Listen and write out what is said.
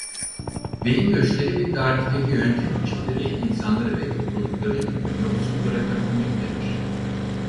Beyin göçleri ve tarihteki yönetim biçimleri insanları ve toplulukları yoksul bırakabilmektedir.